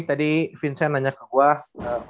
tadi vincent nanya ke gua